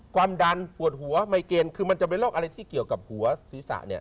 ความดันปวดหัวไมเกณฑ์คือมันจะเป็นโรคอะไรที่เกี่ยวกับหัวศีรษะเนี่ย